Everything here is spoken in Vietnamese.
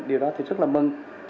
điều đó thì rất là mừng